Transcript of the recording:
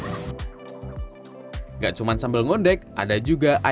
tidak cuma sambal ngondek ada juga ayam